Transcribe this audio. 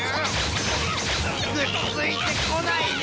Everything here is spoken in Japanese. くっついてこないで！